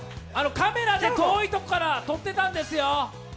カメラで遠いところから撮ってたんですよ。